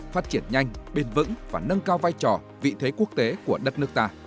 phát triển nhanh bền vững và nâng cao vai trò vị thế quốc tế của đất nước ta